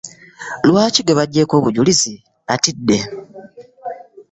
Lwaki gwe bagyeeko obujjulizi attidwa?